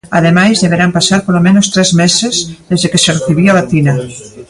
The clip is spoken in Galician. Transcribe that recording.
Ademais, deberán pasar polo menos tres meses desde que se recibiu a vacina.